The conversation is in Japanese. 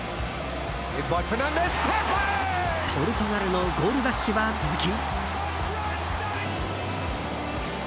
ポルトガルのゴールラッシュは続き。